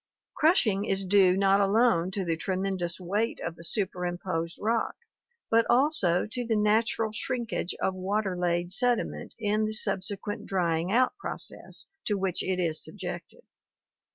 Crushing is due not alone to the tremendous weight of the super posed rock, but also to the natural shrinkage of water laid sediment in the subsequent drying out process to which it is subjected.